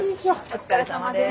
お疲れさまです。